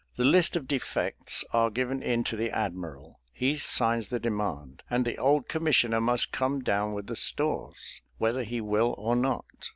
The list of defects are given in to the admiral, he signs the demand, and the old commissioner must come down with the stores, whether he will or not.